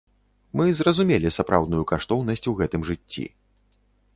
Мы зразумелі сапраўдную каштоўнасць у гэтым жыцці.